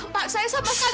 pak saya sama sekali